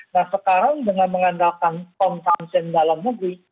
nah sekarang dengan mengandalkan pom tamsen dalam negeri